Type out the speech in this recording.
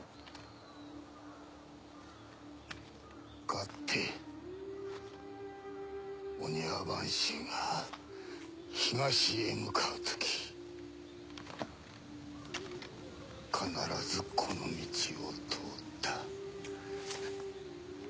かつて御庭番衆が東へ向かう時必ずこの道を通った。